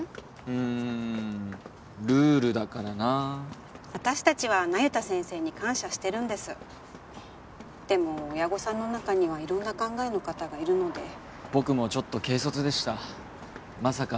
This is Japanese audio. うんルールだからな私達は那由他先生に感謝してるんですでも親御さんの中には色んな考えの方がいるので僕もちょっと軽率でしたまさか